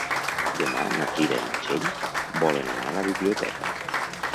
Demà na Frida i na Txell volen anar a la biblioteca.